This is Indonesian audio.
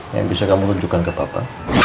yang bisa kamu tunjukkan ke bapak